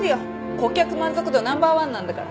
顧客満足度ナンバー１なんだから。